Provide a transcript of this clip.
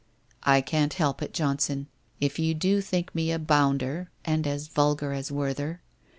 ' I can't help it, Johnson, if you do think me a bounder and as vulgar as Werther.